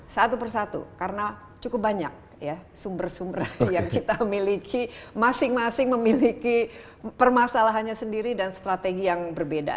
satu persatu karena cukup banyak ya sumber sumber yang kita miliki masing masing memiliki permasalahannya sendiri dan strategi yang berbeda